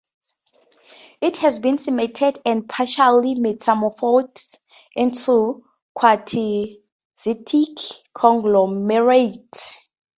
It has been cemented and partially metamorphosed into a quartzitic conglomerate.